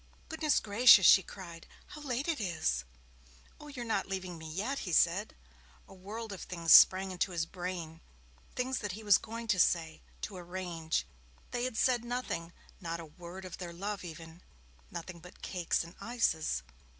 'Goodness gracious,' she cried, 'how late it is!' 'Oh, you're not leaving me yet!' he said. A world of things sprang to his brain, things that he was going to say to arrange. They had said nothing not a word of their love even; nothing but cakes and ices.